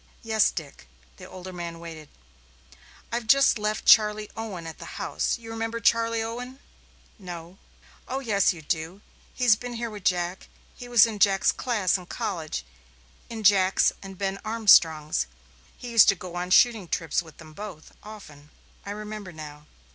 "Yes, Dick." The older man waited. "I've just left Charley Owen at the house you remember Charley Owen?" "No." "Oh, yes, you do he's been here with Jack. He was in Jack's class in college in Jack's and Ben Armstrong's. He used to go on shooting trips with them both often." "I remember now."